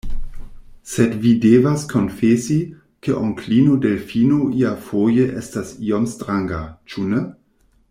Sed vi devas konfesi, ke onklino Delfino iafoje estas iom stranga; ĉu ne?